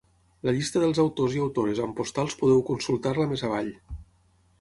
La llista dels autors i autores amb postals podeu consultar-la més avall.